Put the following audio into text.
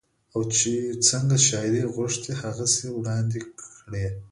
او چې څنګه شاعر غوښتي هغسې يې وړاندې کړې